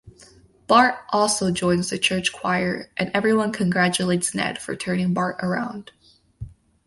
Bart also joins the church choir and everyone congratulates Ned for turning Bart around.